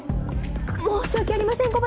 申し訳ありません木幡様。